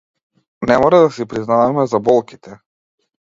Не мора да си признаваме за болките.